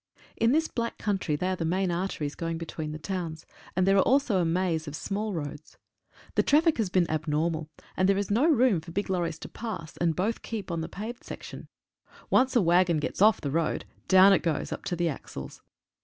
In this black country they are the main arteries going between the towns, and there are also a maze of small roads. The traffic has been abnormal, and there is no Toom for big lorries to pass, and both keep on the paved section. Once a waggon gets off the road, down it goes up to the axles.